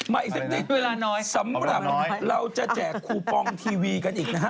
มาอีกเสที่สำหรับเราจะแจกกูปองเทีวีกันอีก